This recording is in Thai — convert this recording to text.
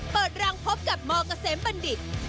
เปิดรังพบกับมกาเสมบรรดิษฐ์